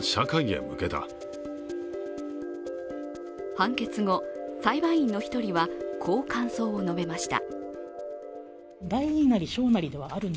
判決後、裁判員の１人はこう感想を述べました。